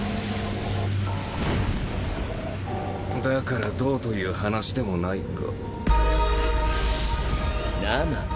だからどうという話でもないが。